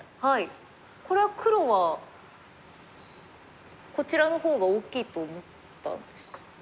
これは黒はこちらの方が大きいと思ったんですか。